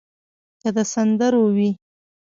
که د سندرو وي.